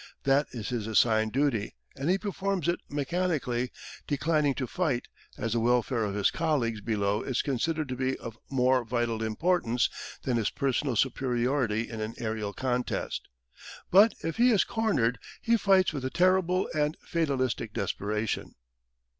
That is his assigned duty and he performs it mechanically, declining to fight, as the welfare of his colleagues below is considered to be of more vital importance than his personal superiority in an aerial contest. But if he is cornered he fights with a terrible and fatalistic desperation.